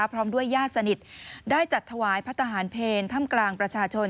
พร้อมด้วยญาติสนิทได้จัดถวายพระทหารเพลถ้ำกลางประชาชน